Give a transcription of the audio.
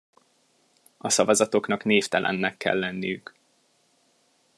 A szavazatoknak névtelennek kell lenniük.